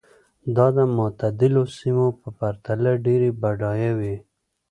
دا د معتدلو سیمو په پرتله ډېرې بډایه وې.